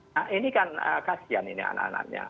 nah ini kan kasian ini anak anaknya